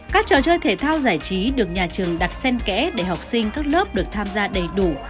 các trò chơi thể thao giải trí được nhà trường đặt sen kẽ để học sinh các lớp được tham gia đầy đủ